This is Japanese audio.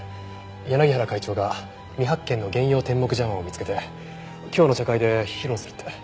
柳原会長が未発見の幻曜天目茶碗を見つけて今日の茶会で披露するって。